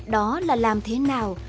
đó là làm thế nào